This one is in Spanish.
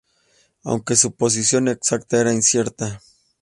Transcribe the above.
Aunque, su posición exacta era incierta.